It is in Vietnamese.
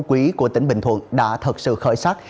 phú quý của tỉnh bình thuận đã thật sự khởi sát